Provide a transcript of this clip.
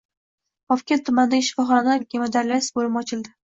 Vobkent tumanidagi shifoxonada gemodializ bo‘limi ochildi